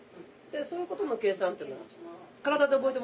そういうことの計算っていうのは。